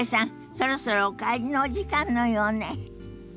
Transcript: そろそろお帰りのお時間のようね。